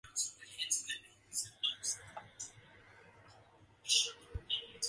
Caught unprepared, Barron surrendered and Humphreys sent boarders to search for the deserters.